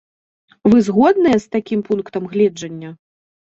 Вы згодныя з такім пунктам гледжання?